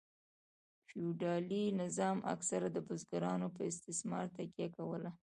فیوډالي نظام اکثره د بزګرانو په استثمار تکیه کوله.